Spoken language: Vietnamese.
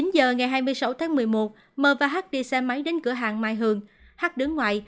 chín giờ ngày hai mươi sáu tháng một mươi một m và h đi xe máy đến cửa hàng mai hường hát đứng ngoài